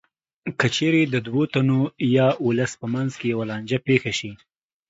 که چېرې د دوو تنو یا ولس په منځ کې یوه لانجه پېښه شي